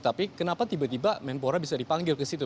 tapi kenapa tiba tiba menpora bisa dipanggil ke situ